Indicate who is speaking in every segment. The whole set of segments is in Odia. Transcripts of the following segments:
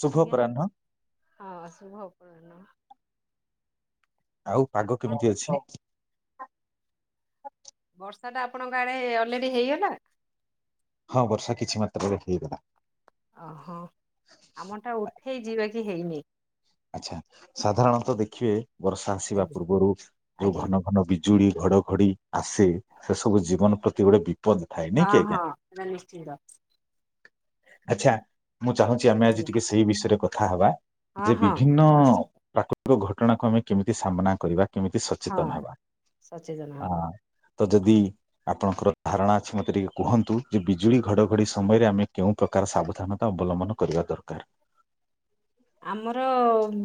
Speaker 1: ଶୁଭ
Speaker 2: ଆଜ୍ଞା
Speaker 1: ଅପରାହ୍ନ
Speaker 2: ନମସ୍କା ହଁ ଶୁଭ ଅପରାହ୍ନ।
Speaker 1: ଆଉ
Speaker 2: ଆପଣ
Speaker 1: ପାଗ
Speaker 2: କଣ
Speaker 1: କେମିତି
Speaker 2: କରୁଥିଲେ?
Speaker 1: ଅଛି?
Speaker 2: ବର୍ଷା ଟା ଆପଣଙ୍କ ଆଡ଼େ ଅଲେଡି ହେଇଗଲା।
Speaker 1: ହଁ ବର୍ଷା କିଛି ମାତ୍ରାରେ ହେଇଗଲା।
Speaker 2: ଓହୋ ଆମ ଟା ଉଠେଇଚି ବାକି ହେଇନି।
Speaker 1: ଆଚ୍ଛା, ସାଧାରଣତଃ ଦେଖିବେ ବର୍ଷା ଆସିବା
Speaker 2: ଆଜ୍ଞା
Speaker 1: ପୂର୍ବରୁ ଯୋଉ
Speaker 2: ଆଜ୍ଞା
Speaker 1: ଘନ ଘନ ବି ଯୁଡ଼ି ଘଡଘଡି ଆସେ ସେ ସବୁ ଜୀବନ ପ୍ରତି ଗୋଟେ ବି
Speaker 2: ହଁ ହଁ ସେଟା ନିଶ୍ଚିନ୍ତ।
Speaker 1: ଆଚ୍ଛା ମୁଁ ଚାହୁଁଛି ଆମେ ଆଜି
Speaker 2: ଆଜ୍ଞା
Speaker 1: ଟିକେ ସେଇ ବିଷୟରେ କଥା ହବା
Speaker 2: ହଁ
Speaker 1: ଯେ
Speaker 2: ହଁ
Speaker 1: ବିଭିନ୍ନ
Speaker 2: ନିଶ୍ଚିନ୍ତ
Speaker 1: ପ୍ରାକୃତି କ ଘଟଣାକୁ ଆମେ କେମିତି ସାମ୍ନା କରିବା କେମିତି
Speaker 2: ହଁ
Speaker 1: ସଚେତନ ହେବା।
Speaker 2: ସଚେତନ
Speaker 1: ଆ
Speaker 2: ହବା।
Speaker 1: ତ ଯଦି ଆପଣଙ୍କର ଧାରଣା ଅଛି ମତେ ଟିକେ କୁହନ୍ତୁ, ଯେ ବିଜୁଳି ଘଡ଼ଘଡ଼ି ସମୟରେ ଆମେ କେଉଁ ପ୍ରକାର ସାବଧାନତା ଅବଲମ୍ବନ କରିବା ଦରକାର?
Speaker 2: ଆମର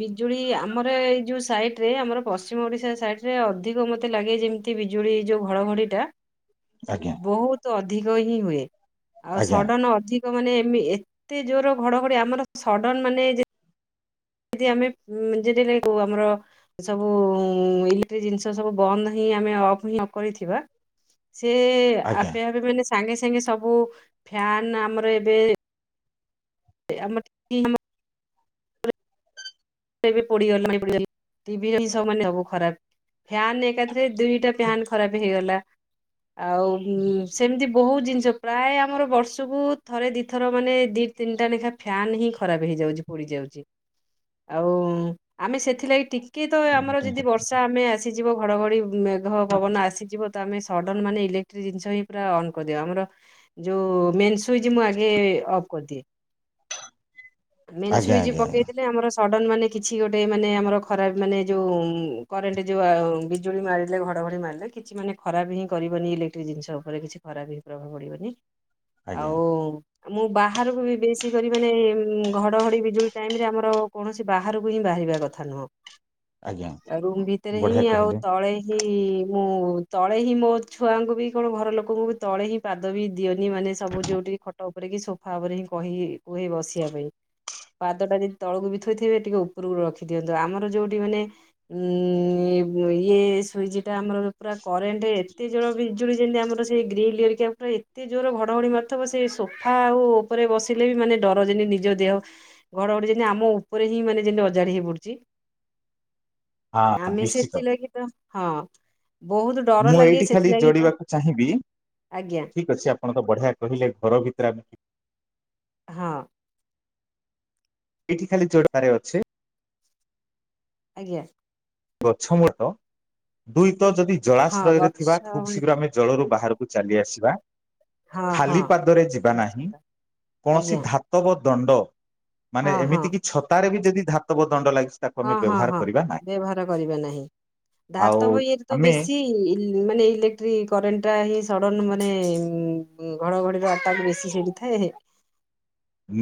Speaker 2: ବିଜୁଳି ଆମର ଏଇ ଯୋଉ ସାଇଟ ରେ ଆମର ପଶ୍ଚିମ ଓଡିଶା ସାଇଟ ରେ ଅଧିକ ମତେ ଲାଗେ ଯେମିତି ବିଜୁଳି ଯୋଉ ଘଡ଼ଘଡ଼ି ଟା
Speaker 1: ଆଜ୍ଞା
Speaker 2: ବୋହୁତ ଅଧିକ ହିଁ ହୁଏ। ଆଉ
Speaker 1: ଆଜ୍ଞା
Speaker 2: ସଡ଼ନ ଅଧିକ କ ମାନେ ଏମି ଏତେ ଜୋରର ଘଡ଼ଘଡ଼ି ଆମର ସଡନ ମାନେ ଯେ ଯେମିତି ଆମେ ଯେଦିନେ ଗୋ ଆମର ସବୁ ଇଲେକ୍ଟ୍ରିକ ଜିନିଷ ସବୁ ବନ୍ଦ ହିଁ ଆମେ ଅଫ ହିଁ ନ କରିଥିବା ସେ
Speaker 1: ଆଜ୍ଞା
Speaker 2: ଆପେ ଆପେ ମାନେ ସାଙ୍ଗେ ସାଙ୍ଗେ ସବୁ ଫ୍ୟାନ ଆମର ଏବେ ଆମ [inaudible] ଏବେ ପୋଡ଼ି ଗଲା [inaudible] ଟିଭି ସମାନେ ହବ ଖରାପ। ଫ୍ୟନ୍ ଏକାଥରେ ଦୁଇଟା ଫ୍ୟାନ ଖରାପ ହେଇଗଲା। ଆଉ ହୁଁ ସେମିତି ବହୁତ ଜିନିଷ ପ୍ରାୟ ଆମର ବର୍ଷକୁ ଥରେ ଦିଥର ମାନେ ଦି ତିନିଟା ଲେଖା ଫ୍ୟାନ୍ ହିଁ ଖରାପ ହେଇଯାଉଛି, ପୋଡ଼ିଯାଉଛି। ଆଉ ଆମେ ସେଥିଲାଗି ଟିକେ ତ ଆମର ଯଦି ବର୍ଷା ଆମେ ଆସିଯିବ ଘଡ଼ଘଡ଼ି ମେ ଘ ପବନ ଆସିଯିବ ତ ଆମେ ସଡ଼ନ ମାନେ ଇଲେକ୍ଟ୍ରି ଜିନିଷ ପୁରା ଅନ କରିଦଉ ଯୋଉ ମେନ୍ସ୍ ସୁଇଚ ମୁଁ ଆଗେ ଅଫ୍ କରିଦିଏ। ମେନ୍
Speaker 1: ଆଜ୍ଞା
Speaker 2: ସୁଇଚ
Speaker 1: ଆଜ୍ଞା ଆଜ୍ଞା
Speaker 2: ପକେଇଦେଲେ ଆମର ସଡ଼ନ ମାନେ କିଛି ଗୋଟେ ମାନେ ଆମର ଖରାପ ମାନେ ଯେଉଁ କରେଣ୍ଟ ଯୋଉ ବିଜୁଳି ମାରିଲେ ଘଡ଼ଘଡ଼ି ମାରିଲେ କିଛି ମାନେ ଖରାପ ହିଁ କରିବନି ଇଲେକ୍ଟ୍ରିକ ଜିନିଷ ଉପରେ କିଛି ଖରାପ ହିଁ ପ୍ରଭାବ ପଡ଼ିବନି।
Speaker 1: ଆଜ୍ଞା
Speaker 2: ଆଉ ମୁଁ ବାହାରକୁ ବି ବେଶୀ କରି ମାନେ ଘଡ଼ଘଡ଼ି ବିଜୁଳି ଟାଇମରେ ଆମର କୌଣସି ବାହାରକୁ ହିଁ ବାହାରିବା କଥା ନୁହଁ
Speaker 1: ଆଜ୍ଞା
Speaker 2: ଆ ରୁମ୍ ଭିତେରେ ହିଁ
Speaker 1: ବଢିଆ
Speaker 2: ଆଉ
Speaker 1: କହିଲେ
Speaker 2: ତଳେ ହି ମୁଁ ତଳେ ହିଁ ମୋ ଛୁଆଙ୍କୁ ବି କଣ ଘରଲୋକଙ୍କୁ ବି ତଳେ ହିଁ ପାଦ ବି ଦିଅନି ମାନେ ସବୁ ଯୋଉଠି ଖଟ ଉପ୍ ଉପେରେ କି ସୋଫା ଉପରେ ହିଁ କହି-କୁହେ ବସିଆ ପାଇଁ। ପାଦଟା ଯଦି ତଳକୁ ବି ଥୋ ଥୋଇଥିବେ ଟିକେ ଉପୁରକୁ ରଖି ଦିଅନ୍ତୁ ଆମର ଯୋଉଠି ମାନେ ଉଁ ଇଏ-ବ୍ ଇଏ ସୁଇଜିଟା ଆମର ପୁରା କରେଣ୍ଟ ଏତେ ଜଳ ବିଜୁଳି ଯେମିତି ଆମର ସେଇ ଗ୍ରୀଲ ହେରିକା ଆମର ଏତେ ଜୋର ଘଡ଼ଘଡ଼ି ମାରୁଥବ ସେ ସୋଫା ଆଉ ଉପରେ ବସିଲେ ବି ମାନେ ଡର ଯେମତି ନିଜ ଦେହ ଘଡଘଡି ଯେମତି ଆମ ଉପ୍ ଉପରେ ହିଁ ମାନେ ଯେମତି ଅଜାଡି ହେଇ ପଡୁଚି,
Speaker 1: ହଁ,
Speaker 2: ଆମେ
Speaker 1: ନିଶ୍ଚିତ
Speaker 2: ସେଥିଲାଗି [inaudible] ହଁ। ବହୁତ୍ ଡ
Speaker 1: ମୁଁ ଏଇଠି ଖାଲି ଯୋଡିବାକୁ ଚାହିଁବି
Speaker 2: ଆଜ୍ଞା
Speaker 1: ଠିକ ଅଛି ଆପ୍ ପଣ ତ ବଢିଆ କହିଲେ ଘର ଭିତରେ ଆମେ
Speaker 2: ହଁ।
Speaker 1: ଏଇଠି ଖାଲି ଜୋ-ଡବାରେ ଅଛି
Speaker 2: ଆଜ୍ଞା।
Speaker 1: ଗଛ ମୂଳ ଦୁଇ ତ ଯଦି
Speaker 2: ହଁ
Speaker 1: ଜଳାଶ୍ରୟରେ ଥିବା
Speaker 2: ଗଛ
Speaker 1: ଖୁବ୍
Speaker 2: ଭଳି
Speaker 1: ଶୀଘ୍ର
Speaker 2: ତ-
Speaker 1: ଆମେ ଜଳରୁ ବାହାରୁକୁ ଚାଲି ଆସିବା।
Speaker 2: ହଁ ହଁ
Speaker 1: ଖାଲି ପାଦରେ ଯିବା ନାହିଁ।
Speaker 2: ନିଶ୍ଚିନ୍ତ
Speaker 1: କୌଣସି
Speaker 2: ଆଜ୍ଞା
Speaker 1: ଧା ଧାତବ ଦଣ୍ଡ ମାନେ
Speaker 2: ହଁ ହଁ
Speaker 1: ଏମିତି କିି ଛତାରେ ବି ଯଦି ଧାତବ ଦଣ୍ଡ ଲାଗିସି ତାକୁ
Speaker 2: ହଁ
Speaker 1: ଆମେ
Speaker 2: ହଁ
Speaker 1: ବ୍ୟବହାର
Speaker 2: ହଁ
Speaker 1: କରିବା ନାହିଁ।
Speaker 2: [inaudible] କରିବା ନାହିଁ,
Speaker 1: ଆଉ
Speaker 2: ଧାତବ ଇଏରେତ
Speaker 1: ଆମେ
Speaker 2: ବେଶୀ ମାନେ ଇଲେକ୍ଟ୍ରି କରେଣ୍ଟ ଟା ହିଁ ସଡନ ମାନେ ଘଡଘଡିର ଆଟାକ ବେଶୀ ସେଠି। ଥାଏ।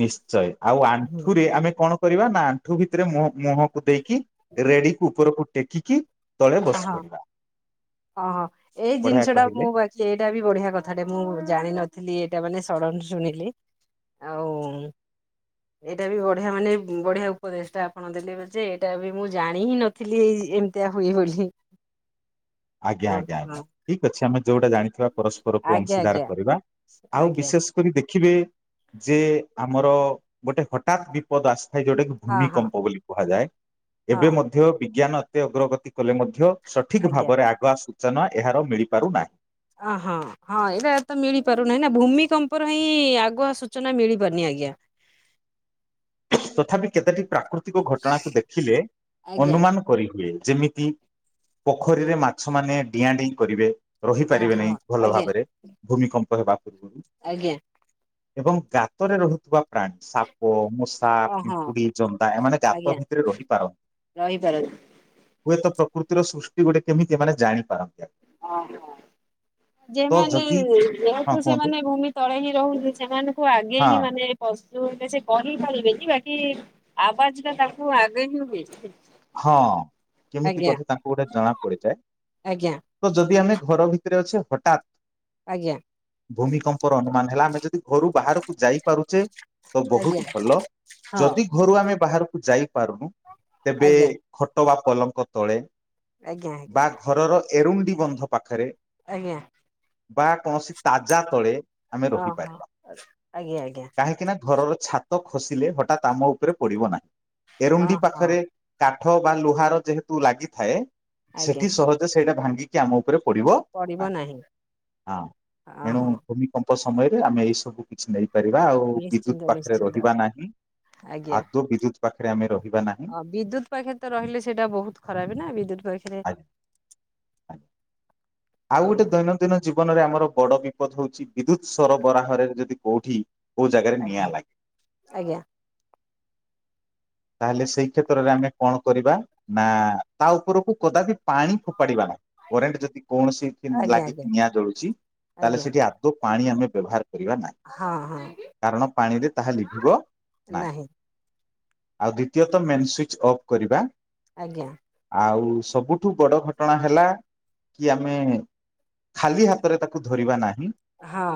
Speaker 1: ନିଶ୍ଚୟ ଆଉ
Speaker 2: ହୁଁ,
Speaker 1: ଆଣ୍ଠୁରେ ଆମେ କଣ କରିବା ନା ଆଣ୍ଠୁ ଭିତରେ ମୁହଁ-ମୁହଁକୁ ଦେଇକି କି ରେଡିକୁ ଉପରକୁ ଟେକିକି ତଳେ ବସି
Speaker 2: ହଁ
Speaker 1: ପଡିବା
Speaker 2: ଅହ ଏଇ
Speaker 1: ବଢିଆ
Speaker 2: ଜିନିଷଟା
Speaker 1: କହିଲେ
Speaker 2: ମୁଁ ବା କିଷଏଇଟା ବି ବଢିଆ କଥାଟେ ମୁଁ ଜାଣିନଥିଲି ଏଇଟା ମାନେ ସଡନ୍ ଶୁଣିଲି। ଆଉ ଏଇଟା ବି ବଢିଆ ମାନେ ବଢିଆ ଉପଦେଶଟା ଆପଣ ଦେଲେ ଯେ ଏଇଟା ବି ମୁଁ ଜାଣି ହିଁ ନ ଥିଲି ଏମିତିଆ ହୁଏବୋଲି।
Speaker 1: ଆଜ୍ଞା ଆଜ୍ଞା ଆଜ୍ଞା ଠିକ ଅଛି ଆମେ ଯୋଉଟା ଜାଣିଥିବା ପରସ୍ପରକୁ
Speaker 2: ଆଜ୍ଞା
Speaker 1: ଅଂଶୀଦାର
Speaker 2: ଆଜ୍ଞା
Speaker 1: କରିବା ଆଉ
Speaker 2: ଆଜ୍ଞା
Speaker 1: ବିଶେଷ୍ ଶ୍ କରି ଦେଖିବେ ଯେ ଆମର ଗୋଟେ ହଠାତ୍ ବିପଦ ଆସିଥାଏ ଯୋଉଟା କି
Speaker 2: ହଁ ହଁ
Speaker 1: ଭୂମିକମ୍ପ ବୋଲି କୁହାଯାଏ।
Speaker 2: ହଁ
Speaker 1: ଏବେ ମଧ୍ୟ ବିଜ୍ଞାନ ଏତେ ଅଗ୍ରଗତି କଲେ ମଧ୍ୟ ସଠିକ୍
Speaker 2: ଆଜ୍ଞା
Speaker 1: ଭାବରେ ଆଗୁଆ ସୂଚନା ଏହାର ମିଳିପାରୁନାହିଁ।
Speaker 2: ଆହଁ। ହଁ ଏଇଟା ତ ମିଳିପାରୁନାଇଁ ନା ଭୂମିକମ୍ପର ହିଁ ଆଗୁଆ ସୂଚନା ମିଳିପାରୁନି ଆଜ୍ଞା।
Speaker 1: ତଥାପି କେତେଟି ପ୍ରାକୃତିକ ଘଟଣାକୁ ଦେଖିଲେ
Speaker 2: ଆଜ୍ଞା
Speaker 1: ଅନୁମାନ କରିହୁଏ, ଯେମିତି ପୋଖରୀରେ ମାଛ ମାନେ ଡିଆଁ ଡେଇଁ କରିବେ ରହିପାରିବେ
Speaker 2: ଓହୋ
Speaker 1: ନାହିଁ ଭଲ
Speaker 2: ଆଜ୍ଞା
Speaker 1: ଭାବରେ ଭୂମିକମ୍ପ ହେବା ପୂର୍ବରୁ।
Speaker 2: ଆଜ୍ଞା।
Speaker 1: ଏବଂ ଗାତରେ ରହୁଥିବା ପ୍ରାଣୀ ସାପ ମୂସ୍ ସା
Speaker 2: ଓହଁ
Speaker 1: ପିମ୍ପୁଡ଼ି ଜନ୍ଦା ଏମାନେ ଗାତ
Speaker 2: ଆଜ୍ଞା
Speaker 1: ଭିତରେ ରହି ପାର
Speaker 2: ରହିପାରନ୍ତି
Speaker 1: ହୁଏତ ପ୍ରକୃତିର ସୃଷ୍ଟି ଗୋଟେ କେମିତି ଏମାନେ ଜାଣିପାରନ୍ତି।
Speaker 2: ଅ ହଁ।
Speaker 1: ତ
Speaker 2: ଯେମାନେ
Speaker 1: ଯଦି ହଁ
Speaker 2: ଯେହତୁ
Speaker 1: କୁହନ୍ତୁ
Speaker 2: ସେମାନେ ଭୂମି ତଳେ ହିଁ ରହୁନ୍ତି ସେମାନଙ୍କୁ ଆଗେ
Speaker 1: ହଁ
Speaker 2: ହିଁ ମାନେ ପଶୁ ହେଲେ ସେ କରିି ପାରିବେନି ବାକି ଆବାଜଟା ତାକୁ ଆଗେ ହିଁ ହୁଏ।
Speaker 1: ହଁ କେମିତି
Speaker 2: ଆଜ୍ଞା
Speaker 1: ପଛେ ତାଙ୍କୁ ଗୋଟେ ଜଣା ପଡିଯାଏ।
Speaker 2: ଆଜ୍ଞା
Speaker 1: ତ ଯଦି ଆମେ ଘର ଭିତରେ ଅଛେ ହଠାତ୍
Speaker 2: ଆଜ୍ଞା।
Speaker 1: ଭୂମିକମ୍ପର ଅନୁମାନ ହେଲା ଆମେ ଯଦି ଘରୁ ବାହାରକୁ ଯାଇପାରୁଚେ ତ
Speaker 2: ଆଜ୍ଞା
Speaker 1: ବହୁତ ଭଲ
Speaker 2: ହଁ
Speaker 1: ଯଦି ଘରୁ ଆମେ ବାହାରକୁ ଯାଇପାରୁନୁ ତେବେ
Speaker 2: ଆଜ୍ଞା
Speaker 1: ଖଟ ବା ପଲଙ୍କ ତଳେ
Speaker 2: ଆଜ୍ଞା
Speaker 1: ବା
Speaker 2: ଆଜ୍ଞା।
Speaker 1: ଘରର ଏରୁଣ୍ଡି ବନ୍ଧ ପାଖରେ
Speaker 2: ଆଜ୍ଞା।
Speaker 1: ବା କୌଣସି ତାଜା ତଳେ ଆମେ
Speaker 2: ଓହୋ
Speaker 1: ରହିପାରିବା
Speaker 2: ଆଜ୍ଞା ଆଜ୍ଞା
Speaker 1: କାହିଁକି ନା ଘରର ଛା ତ ଖସିଲେ ହଠାତ୍ ଆମ ଉପରେ ପଡିବ ନାହିଁ ଏରୁଣ୍ଡି
Speaker 2: ଓହୋ
Speaker 1: ପାଖରେ କାଠ ବା ଲୁହାର ଯେହେତୁ ଲାଗିଥାଏ
Speaker 2: ଆଜ୍ଞା
Speaker 1: ସେଠି ସହଜେ ସେଇଟା ଭାଙ୍ଗି କି ଆମ ଉପରେ ପଡିବ ନାହିଁ ହଁ ଏଣୁ
Speaker 2: ଓହୋ
Speaker 1: ଭୂମି କମ୍ପ ସମୟରେ ଆମେ ଏଇ ସବୁ କିଛି ନେଇ ପାରିବା ଆଉ ବିଦ୍ୟୁତ
Speaker 2: ନିଶ୍ଚିନ୍ତ
Speaker 1: ପାଖରେ
Speaker 2: ନିଶ୍ଚିନ୍ତ
Speaker 1: ରହିବା ନାହିଁ
Speaker 2: ଆଜ୍ଞା
Speaker 1: ଆଦୌ ବିଦ୍ୟୁତ ପାଖରେ ଆମେ ରହିବା ନାହିଁ।
Speaker 2: ଅ ବିଦ୍ୟୁତ ପାଖେ ତ ରହିଲେ ସେଟା ବହୁତ ଖରାପ ନା ବିଦ୍ୟୁତ ପାଖରେ
Speaker 1: ଆଜ୍ଞା ଆଜ୍ଞା। ଆଉ ଗୋଟେ
Speaker 2: ଆଜ୍ଞା
Speaker 1: ଦୈନନ୍ଦିନ ଜୀବନରେ ଆମର ବଡ ବିପଦ ହଉଚି ବିଦ୍ୟୁତ ସରବରାହରେ ଯଦି କୋଉଠି କୋଉ ଜାଗାରେ ନିଆଁ
Speaker 2: ଆଜ୍ଞା
Speaker 1: ଲାଗେ।
Speaker 2: ଆଜ୍ଞା
Speaker 1: ତାହେଲେ ସେଇ କ୍ଷେତ୍ରରେ ଆମେ କଣ କରିବା। ନା ତା ଉପରକୁ କଦାପି ପାଣି ଫୋପାଡିବା ନାହିଁ କରେଣ୍ଟ ଯଦି କୌଣସି କି
Speaker 2: ଆଜ୍ଞା ଆଜ୍ଞା
Speaker 1: ଲାଗିକି ନିଆଁ ଜଳୁଛି ତାହେଲେ
Speaker 2: ଆଜ୍ଞା
Speaker 1: ସେଠି ଆଦୌ ପାଣି ଆମେ ବ୍ୟବହାର କରିବା ନାହିଁ।
Speaker 2: ହଁ ହଁ
Speaker 1: କାରଣ ପାଣିରେ ତାହା ଲିଭିବ ନାଇ।
Speaker 2: ନାହିଁ
Speaker 1: ଆଉ ଦ୍ଵିତୀୟତ ମେନ୍ ସୁଇଚ୍ ଅଫ୍ କରିବା।
Speaker 2: ଆଜ୍ଞା।
Speaker 1: ଆଉ ସବୁଠୁ ବଡ ଘଟଣା ହେଲା କି ଆମେ ଖାଲି ହାତରେ ତାକୁ ଧରିବା ନାହିଁ।
Speaker 2: ହଁ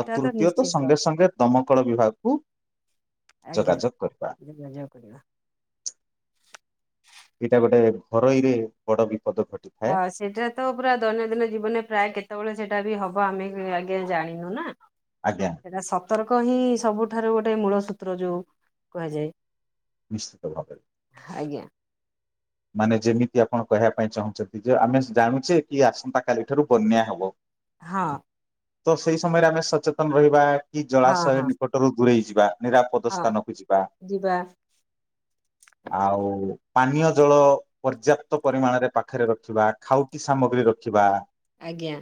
Speaker 1: ଆଉ ତୃତୀୟ ତ
Speaker 2: ନିଶ୍ଚିନ୍ତ
Speaker 1: ସଙ୍ଗେ ସଙ୍ଗେ ଦମକଳ ବିଭାଗକୁ
Speaker 2: ଆଜ୍ଞା
Speaker 1: ଯୋଗାଯୋଗ କରିବା।
Speaker 2: ଯୋଗାଯୋଗ କରିବା। [inaudible]
Speaker 1: ଏଇଟା ଗୋଟେ ଘରୋଇରେ ବଡ ବିପଦ ଘଟି
Speaker 2: ହ ସେଇଟା ତ ପୁରା ଦୈନନ୍ଦିନ ଜୀବନରେ ପ୍ରାୟ କେତେବେଳେ ସେଇଟା ବି ହବ ଆମେ ବି ଆଜ୍ଞ ଜାଣିନୁ ନା।
Speaker 1: ଆଜ୍ଞା।
Speaker 2: ସତର୍କ ହିଁ ସବୁଠାରୁ ଗୋଟେ ମୂଳ ସୂତ୍ର ଯୋଉ କୁହାଯାଏ।
Speaker 1: ନିଶ୍ଚିତ ଭାବରେ।
Speaker 2: ଆଜ୍ଞା।
Speaker 1: ମାନେ ଯେମିତି ଆପଣ କହିବା ପାଇ ଚାହୁଁଛନ୍ତି ଆମେ ଜାନୁଚେ କି ଆସନ୍ତା କାଲି ଠାରୁ ବନ୍ୟା ହବ।
Speaker 2: ହଁ।
Speaker 1: ତ ସେଇ ସମୟରେ ଆମେ ସଚେତନ ରହିବା କି
Speaker 2: ହଁ
Speaker 1: ଜଳାଶୟ
Speaker 2: ହଁ
Speaker 1: ନିକଟରୁ ଦୂରେଇ ଯିବା। ନିରାପଦ
Speaker 2: ହଁ
Speaker 1: ସ୍ଥାନକୁ ଯିବା
Speaker 2: ଯିବା
Speaker 1: ଆଉ ପାନୀୟ, ପୋଟଳ ପର୍ଯ୍ୟାପ୍ତ ପରିମାଣରେ ପାଖରେ ରଖିବା ଖାଉଟି ସାମଗ୍ରି ରଖିବା
Speaker 2: ଆଜ୍ଞା।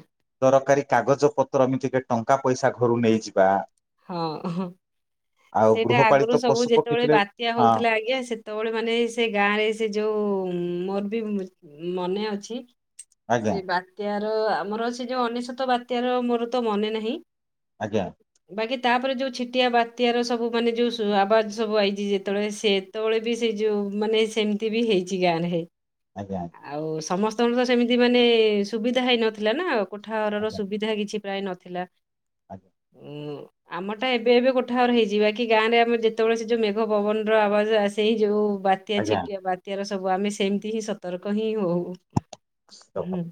Speaker 1: ଦରକାରୀ କାଗଜ ପତ୍ର ଏମିତି କେ ଟଙ୍କା ପଇସା ଘରୁ ନେଇଯିବା
Speaker 2: ହଁ ହ
Speaker 1: ଆଉ
Speaker 2: ସେଇଟା
Speaker 1: ଗୃହପାଳିତ
Speaker 2: ଆଗୁରୁ ସବୁ
Speaker 1: ପଶୁ ପକ୍ଷୀ
Speaker 2: ଯେତେବେଳେ
Speaker 1: ଥିଲେ
Speaker 2: ବାତ୍ୟା
Speaker 1: ହଁ
Speaker 2: ହଉଥିଲା ଆଜ୍ଞା ସେ ସେତୋ ବେଳେ ମାନେ ସେ ଗାଁ ରେ ସେ ଯୋଉ ମୋର ବି ମନେ ଅଛି
Speaker 1: ଆଜ୍ଞା
Speaker 2: ସେ ବାତ୍ୟାର ଆମର ସେ ଯୋଉ ଅନେସୋତ ବାତ୍ୟାର ମୋର ତ ମନେ ନାହିଁ
Speaker 1: ଆଜ୍ଞା।
Speaker 2: ବାକି ତାପରେ ଯୋଉ ଛିଟିଆ ବାତ୍ୟା ର ସବୁ ମାନେ ଯୋଉ ଆବାଜ ସବୁ ଆଇଛି ଯେତେବେଳେ ସେ ସେତୋ ବେଳେ ବି ସେ ଯୋଉ ମାନେ ସେମିତି ବି ହେଇଛି ଗାଁ ରେ।
Speaker 1: ଆଜ୍ଞା ଆ
Speaker 2: ଆଉ ସମସ୍ତଙ୍କର ତ ସେମିତି ମାନେ ସୁବିଧା ହେଇନଥିଲା ନା କୋଠାଘର ର ସୁବିଧା କିଛି ପ୍ରାୟ ନଥିଲା
Speaker 1: ଆଜ୍ଞା।
Speaker 2: ଉଁ। ଆମ ଟା ଏବେ ଏବେ କୋଠା ଆର ହେଇଯିବା କି ଗାଁରେ ଆମର ଯେତେବେଳେ ସେ ଯୋଉ ମେଘ ପବନର ଆବାଜ ସେଇ ଯୋଉ ବା ବାତ୍ୟା
Speaker 1: ଆଜ୍ଞା।
Speaker 2: ଛିଟିଆ ବାତ୍ୟାର ସବୁ ଆମେ ସେମିତି ହିଁ ସତର୍କ ହିଁ ହଉ
Speaker 1: ଆଜ୍ଞା।
Speaker 2: ହୁଁ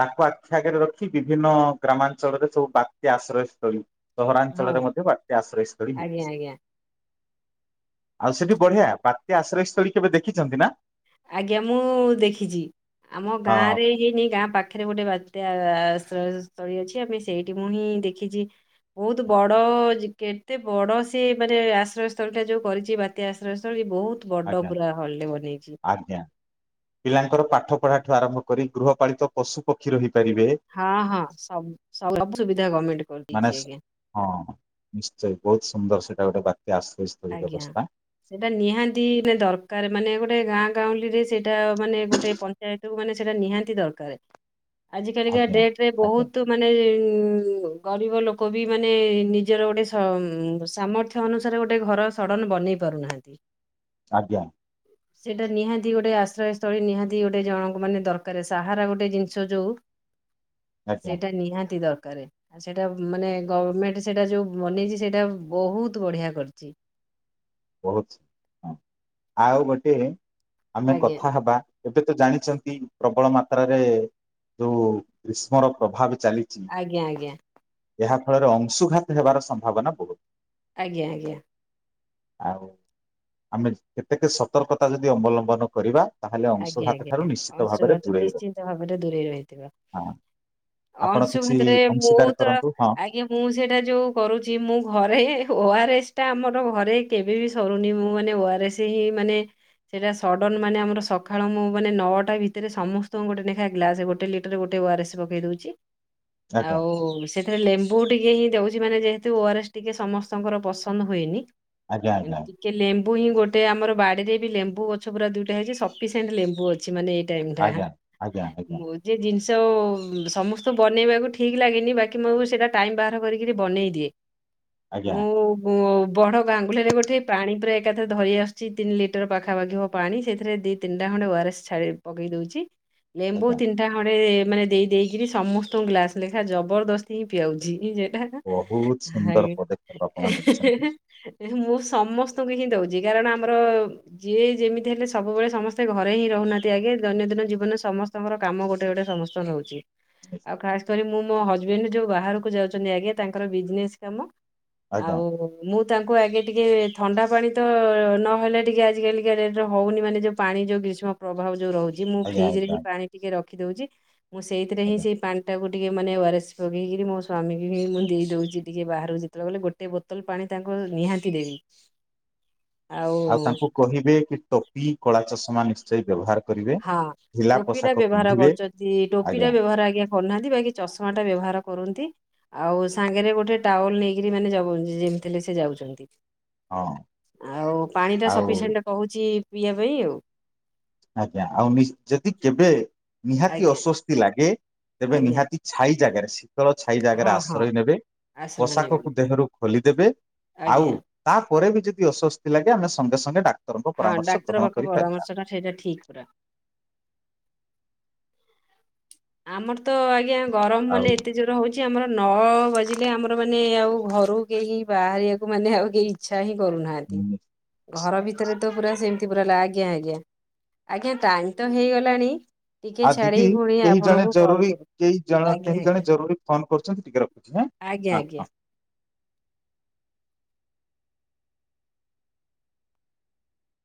Speaker 1: ତାକୁ ଆଖି ଆଗରେ ରଖି ବିଭିନ୍ନ ଗ୍ରାମାଞ୍ଚଳରେ ସବୁ ବାତ୍ୟା ଆଶ୍ରୟସ୍ଥଳୀ
Speaker 2: ହଁ
Speaker 1: ସହରାଞ୍ଚଳରେ ମଧ୍ୟ ବାତ୍ୟା ଆଶ୍ରୟ ସ୍ଥଳୀ
Speaker 2: ଆଜ୍ଞା
Speaker 1: ହେଇଛି।
Speaker 2: ଆଜ୍ଞା।
Speaker 1: ଆଉ ସେଠି ବଢିଆ ବାତ୍ୟା ଆଶ୍ରୟ ସ୍ଥଳୀ କେବେ ଦେଖିଛନ୍ତି ନା
Speaker 2: ଆଜ୍ଞା ମୁଁ ଦେଖିଛି ଆମ ଗାଁ
Speaker 1: ହଁ
Speaker 2: ରେ ହେଇନି ଗାଁ ପାଖ ପାଖରେ ଗୋଟେ ବାତ୍ୟା ଆଶ୍ରୟ ସ୍ଥଳୀ ଅଛି ଆମେ ସେଇଠି ପୁଣି ଦେଖିଛି ବହୁତ ବଡ଼ ଜିପି ଏ କେତେ ବଡ଼ ସେ ମାନେ ଆଶ୍ରୟସ୍ଥଳୀଟା ଯଉ କରିଛି ବାତ୍ୟା ଆଶ୍ରୟସ୍ଥଳୀ ବହୁତ ବଡ
Speaker 1: ଆଜ୍ଞା
Speaker 2: ପୁରା ହଲଟେ ବନେଇଛି।
Speaker 1: ଆଜ୍ଞା। ପିଲାଙ୍କର ପାଠ ପଢା ଠୁ ଆରମ୍ଭ କରି ଗୃହପାଳିତ ପଶୁ ପକ୍ଷୀ ରହିପାରିବେ
Speaker 2: ହଁ ହଁ ସବୁୁ ସବୁ ସୁବିଧା ଗଭର୍ଣ୍ଣମେଣ୍ଟ
Speaker 1: ମାନେ
Speaker 2: କରିଦେଇଛି ଆଜ୍ଞା।
Speaker 1: ହଁ ନିଶ୍ଚୟ ବହୁତ ସୁନ୍ଦର ସେଇଟା ଗୋଟେ ବାତ୍ୟା ଆଶ୍ରୟ ସ୍ଥଳୀ
Speaker 2: ଆଜ୍ଞା। ସେଇଟା ନିହାତି ଦରକାର ମାନେ ଗୋଟେ ଗାଁ ଗାଉଁଲି ରେ ସେଇଟା ମାନେ ଗୋଟେ ଯେହେତୁ ମାନେ ସେଟା ନିହାତି ଦରକାର ଆଜି କାଲିକା
Speaker 1: ଆଜ୍ଞା।
Speaker 2: ଡେଟ ରେ
Speaker 1: ଆଜ୍ଞା
Speaker 2: ବହୁତ ମାନେ ଗରିବ ଲୋକ ବି ମାନେ ନିଜର ଗୋଟେସା ସାମର୍ଥ୍ୟ ଅନୁସାରେ ଗୋଟେ ଗୋଟେ ଘର ସଡ଼ନ ବନେଇ ପାରୁନାହାନ୍ତି।
Speaker 1: ଆଜ୍ଞା।
Speaker 2: [unintelligible] ସେଇଟା ନିହାତି ଗୋଟେ ଆଶ୍ରୟ ସ୍ଥଳୀ ନିହାତି ଗୋଟେ ଜଣଙ୍କ ମାନେ ଦରକାର ସାହାରା ଗୋଟେ ଜିନିଷ ଯୋଉ
Speaker 1: ଆଜ୍ଞା
Speaker 2: ସେଇଟା ନିହାତି ଦରକାରେ ସେଇଟା ମାନେ ଗଭମେଣ୍ଟ ସେଟା ଯୋଉ ବନେଇଛି ସେଇଟା ବହୁତ ବଢିଆ କରିଛି। ଜି।
Speaker 1: ବହୁତ ହଁ ଆଉ ଗୋଟେ ଆମେ
Speaker 2: ଆଜ୍ଞା
Speaker 1: କଥା ହବା ଏବେ ତ ଜାଣିଛନ୍ତି ପ୍ରବଳ ମାତ୍ରାରେ ଯୋଉ ଗ୍ରୀଷ୍ମର ପ୍ରଭାବ ଚାଲିଛି।
Speaker 2: ଆଜ୍ଞା ଆଜ୍ଞା।
Speaker 1: ଏହା ଫଳରେ ଅଂଶୁଘାତ ହେବାର ସମ୍ଭାବନା ବହୁତ
Speaker 2: ଆଜ୍ଞା ଆଜ୍ଞା।
Speaker 1: ଆଉ ଆମେ କେତେକେ ସତର୍କତା ଯଦି ଅବଲମ୍ବନ କରିବା ତାହେଲେ
Speaker 2: ଆଜ୍ଞା
Speaker 1: ଅଂଶୁଘାତ ଠାରୁ
Speaker 2: ଆଜ୍ଞା
Speaker 1: ନିଶ୍ଚିତ ଭାବରେ
Speaker 2: ଅଂଶୁଘାତ
Speaker 1: ଦୂରେଇ ରହିବା
Speaker 2: ନିଶ୍ଚିନ୍ତ ଭାବରେ ଦୂରେଇ ରହିଥିବ।
Speaker 1: ହଁ ଆପଣ କିଛି
Speaker 2: ଅଂଶୁଘାତ ରେ ମୁଁ
Speaker 1: ଅଂଶୀଦାର
Speaker 2: ତ
Speaker 1: କରନ୍ତୁ ହଁ
Speaker 2: ଆଜ୍ଞା। ମୁଁ ସେଇଟା ଯୋଉ କରୁଚି ମୁଁ ଘରେ ଓଆରଏସ ଟା ଆମର ଘରେ କେବେ ବି ସରୁନି। ମୁଁ ମାନେ ଓଆରଏସ [unintelligible] ମାନେ ସେଟା ସଡନ ମାନେ ଆମର ସକ ସଖାଳୁ ମୁଁ ମାନେ ନଅଟା ଭିତେରେ ସମସ୍ତଙ୍କୁ ଗୋଟେ ନେଖା ଗ୍ଲାସେ ଗୋଟେ ଲିଟର ଗୋଟେ ଓଆରଏସ୍ ପକେଇ ଦଉଛି।
Speaker 1: ଆଜ୍ଞା
Speaker 2: ଆଉ ସି ସେଥିରେ ଲେମ୍ବୁ ଟିକେ ହିଁ ଦଉଛି ମାନେ ଯେହେତୁ ଓଆରଏସ ଟିକେ ସମସ୍ତଙ୍କର ପସନ୍ଦ ହୁଏନି।
Speaker 1: ଆଜ୍ଞା
Speaker 2: ଏତି ଟିକେ ଲେମ୍ବୁ ହିଁ ଗୋଟେ ଆମର ବାଡିରେ ବି ଲେମ୍ବୁ ଗଛ ପୁରା ଦୁଇଟା ହେଇଛି ସପ୍ ସଫିସେଣ୍ଟ ଲେମ୍ବୁ ଅଛି ମାନେ ଏଇ ଟାଇମ ଟା
Speaker 1: ଆଜ୍ଞା ଆଜ୍ଞା ଆଜ୍ଞା ଆଜ୍ଞା
Speaker 2: ମୋ ଯେ ଜିନିଷ ଆଉ ସମସ୍ତଙ୍କୁ ବନେଇବାକୁ ଠିକ୍ ଲାଗେନି ବାକି ମୁଁ ସେଇଟା ଟାଇମ୍ ବାହାର କରିକିରି ବନେଇ ଦିଏ।
Speaker 1: ଆଜ୍ଞା
Speaker 2: ମୁଁ ମୁଁ ବଡ ଗାଙ୍ଗୁଲାରେ ଗୋଟେ ପାଣି ପୁରା ଏକାଥରେ ଧରି ଆସୁଛି ତିନି ଲିଟର ପାଖାପାଖି ହବ ପାଣି ସେଥିରେ ଦି ତିନିଟା ଖଣ୍ଡେ ଓଆରସ୍ ଛାଡି ପକେଇ ଦଉଛି ଲେମ୍ବୁ
Speaker 1: ଆଜ୍ଞା
Speaker 2: ତି ନିଟା ଖଣ୍ଡେ ମାନେ ଦେଇ ଦେଇକିରି ସମସ୍ତଙ୍କୁ ଗ୍ଲାସେ ଲେଖା ଜବରଦସ୍ତି ହିଁ ପିଆଉଛି ସେଟା।
Speaker 1: ବହୁତ ସୁନ୍ଦର
Speaker 2: ହାଏ
Speaker 1: ପଦକ୍ଷେପ ଆପଣ ନେଇଛନ୍ତି
Speaker 2: ଏହେଁଏ ମୁଁ ସମସ୍ତଙ୍କୁ ହିଁ ଦଉଚି। କାରଣ ଆମର ଯିଏ ଯେମିତି ହେଲେ ସବୁବେଳେ ସମସ୍ତେ ସମସ୍ତେ ଘରେ ହିଁ ରହୁନାହାନ୍ତି ଆଜ୍ଞା। ଦୈନନ୍ଦିନ ଜୀବନେ ସମସ୍ତଙ୍କର କାମ ଗୋଟେ ଗୋଟେ ସମସ୍ତଙ୍କ ରହୁଛି। ଆଉ ଖାସ୍ କରି ମୁଁ ମୋ ହଜବେଣ୍ଡ ଯୋଉ ବାହାରକୁ ଯାଉଛନ୍ତି ଆଜ୍ଞା ତାଙ୍କର ବିଜନେସ୍ କାମ।
Speaker 1: ଆଜ୍ଞା
Speaker 2: ଆଉ ମୁଁ ତାଙ୍କୁ ଆଗେ ଟିକେ ଥଣ୍ଡା ପାଣି ତ ନହେଲେ ଟିକେ ଆଜିକାଲିକା ଡେଟରେ ହଉନି ମାନେ ଯୋଉ ପାଣି ଯୋଉ ଗ୍ରୀଷ୍ମ ପ୍ରଭାବ ଯୋଉ ରହୁଛି ମୁଁ
Speaker 1: ଆଜ୍ଞା
Speaker 2: ଫ୍ରିଜରେ
Speaker 1: ଆଜ୍ଞା
Speaker 2: ହିଁ ପାଣି ଟିକେ ରଖିଦଉଛି। ମୁଁ ସେଇଥିରେ ହିଁ
Speaker 1: ଆଜ୍ଞା
Speaker 2: ସେଇ ପାଣିଟାକୁ ଟିକେ ମାନେ ଓଆରଏସ୍ ପକେଇକିରି ମୋ ସ୍ବାମୀକି ବି ମୁଁ ଦେଇଦଉଛି ଟିକେ। ବାହାରୁଛି ଯେତେବେଳେ ଗଲେ ଗୋଟେ ଗୋଟେ ବୋତଲ ପାଣି ତାଙ୍କୁ ନିହାତି ଦେବି।
Speaker 1: ଆଉ ତାଙ୍କୁ କହିବେ କି ଟୋପି କଳା ଚଷମା ନିଶ୍ଚୟ ବ୍ୟବହାର କରିବେ
Speaker 2: ହଁ
Speaker 1: ଢିଲା
Speaker 2: ଟୋପି ଟା
Speaker 1: ପୋଷାକ
Speaker 2: ବ୍ୟବହାର
Speaker 1: ପିନ୍ଧିବେ
Speaker 2: କରୁଛନ୍ତି। ଟୋପି ଟା
Speaker 1: ଆଜ୍ଞା
Speaker 2: ବ୍ୟବହାର ଆଜ୍ଞା କରୁନାହାନ୍ତି ବାକି ଚଷମା ଟା ବ୍ୟବହାର କରନ୍ତି। ଆଉ ସାଙ୍ଗରେ ଗୋଟେ ଟାୱେଲ ନେଇକିରି ମାନେ ଯବ ଯେମିତିହେଲେ ସେ ଯାଉଛନ୍ତି।
Speaker 1: ହଁ
Speaker 2: ଆଉ ପାଣି ଟା
Speaker 1: ଆଉ
Speaker 2: ସଫିସେଣ୍ଟ କହୁଛି ପିଇବା ପାଇଁ ଆଉ।
Speaker 1: ଆଜ୍ଞା। ଆଉ ନିଶ୍ଚି ଯଦି କେବେ ନିହାତି
Speaker 2: ଆଜ୍ଞା
Speaker 1: ଅସ୍ଵସ୍ଥି ଲାଗେ ତେବେ
Speaker 2: ଆଜ୍ଞା
Speaker 1: ନିହାତି ଛାଇ ଜାଗାରେ, ଶୀତଳ ଛାଇ ଜାଗାରେ
Speaker 2: ହଁ ହଁ
Speaker 1: ଆଶ୍ରୟ ନେବେ।
Speaker 2: ଆଶ୍ରୟ ବୋଲି
Speaker 1: ପୋଷାକକୁ ଦେହରୁ ଖୋଲିଦେବେ। ଆଉ
Speaker 2: ଆଜ୍ଞା
Speaker 1: ତାପରେ ବି ଯଦି ଅସ୍ୱସ୍ଥି ଲାଗେ ଆମେ ସଙ୍ଗେ ସଙ୍ଗେ ଡାକ୍ତରଙ୍କ
Speaker 2: ହଁ
Speaker 1: ପରାମର୍ଶ
Speaker 2: ଡାକ୍ତର
Speaker 1: ଗ୍ରହଣ
Speaker 2: ପାଖ
Speaker 1: କରିପାରିବା।
Speaker 2: ପରାମର୍ଶ ଟା ସେଇଟା ଠିକ୍ ପୁରା। ଆମର ତ ଆଜ୍ଞା ଗରମ
Speaker 1: ଆଉ
Speaker 2: ମାନେ ଏତେ ଯୋର ରେ ହଉଛି ଆମର ନ ବାଜିଲେ ଆମର ମାନେ ଆଉ ଘରୁ କେହି ବାହାରିବାକୁ ମାନେ ଆଉ କେହି ଇ ଇଚ୍ଛା ହିଁ କରୁନାହାନ୍ତି।
Speaker 1: ହୁଁ
Speaker 2: ଘର ଭିତର ତ ପୁରା ସେମିତି ପୁରା, ଆଜ୍ଞା ଆଜ୍ଞା ଆଜ୍ଞା ଟାଇମ ତ ହେଇଗଲାଣି, ଟିକେ
Speaker 1: ଆଉ ଦିଦି
Speaker 2: ଛାଡିକି ପୁଣି ଆପ୍
Speaker 1: କେହି ଜଣେ ଜରୁରୀ, କେଇ ଜଣ କେହି ଜଣେ ଜରୁରୀ ଫୋନ କରୁଛନ୍ତି ଟିକେ ରଖୁଛି ହଁ
Speaker 2: ଆଜ୍ଞା
Speaker 1: ହଁ
Speaker 2: ଆଜ୍ଞା
Speaker 1: ହଁ।